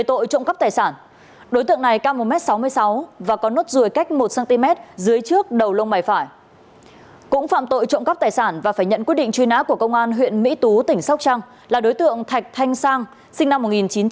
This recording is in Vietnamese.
trộm cắp tài sản và phải nhận quyết định truy nã của công an huyện mỹ tú tỉnh sóc trăng là đối tượng thạch thanh sang sinh năm một nghìn chín trăm tám mươi hai